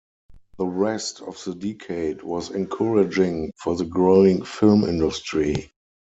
The rest of the decade was encouraging for the growing film industry.